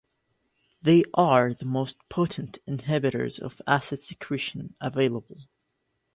They are the most potent inhibitors of acid secretion available.